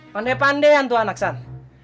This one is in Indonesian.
pandai pandaian tuh anak sana